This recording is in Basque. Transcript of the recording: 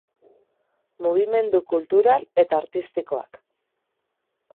Mugimendu Kultural eta Artistikoak